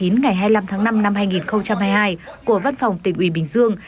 ngày hai mươi năm tháng năm năm hai nghìn hai mươi hai của văn phòng tỉnh ủy bình dương